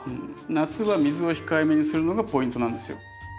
夏は水を控えめにするのがポイントなんですよ。